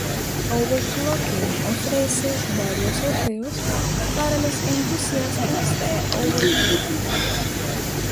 Overclocking ofrece varios sorteos para los entusiastas de overclocking.